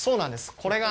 これが。